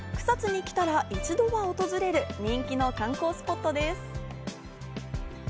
草津に来たら一度は訪れる人気の観光スポットです。